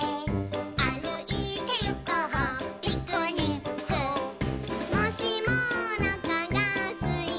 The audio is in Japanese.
「あるいてゆこうピクニック」「もしもおなかがすいたなら」